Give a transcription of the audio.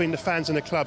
antara fans dan klub